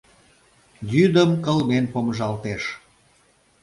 Йӱдым кылмен помыжалтеш.